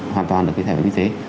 hoàn toàn được cái thẻ bảo hiểm y tế